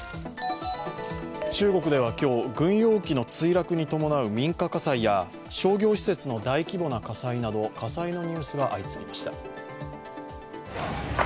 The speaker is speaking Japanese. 中国では今日、軍用機の墜落に伴う民家火災や、商業施設の大規模な火災など、火災のニュースが相次ぎました。